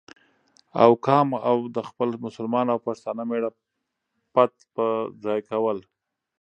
او کام او د خپل مسلمان او پښتانه مېـړه پت په ځای کول،